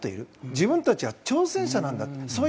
自分たちは挑戦者なんだと。